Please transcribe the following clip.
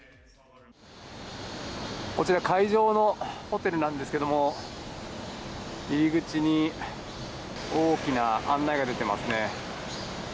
こちら、会場のホテルなんですけれども、入り口に大きな案内が出ていますね。